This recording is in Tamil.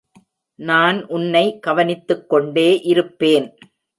நான் உன்னை கவனித்துக் கொண்டே இருப்பேன்.